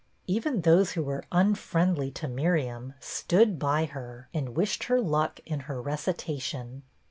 Even those who were unfriendly to Miriam stood by her and wished her luck in her recitation.